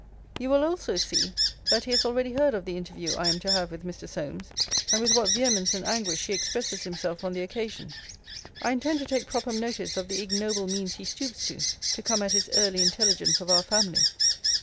You will also see, 'that he has already heard of the interview I am to have with Mr. Solmes;' and with what vehemence and anguish he expresses himself on the occasion. I intend to take proper notice of the ignoble means he stoops to, to come at his early intelligence of our family.